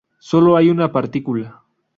Sólo hay una partícula.